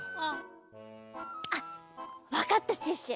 あっわかったシュッシュ。